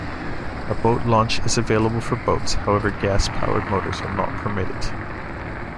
A boat launch is available for boats, however gas-powered motors are not permitted.